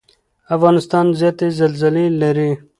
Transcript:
افغانستان زیاتې زلزلې لري.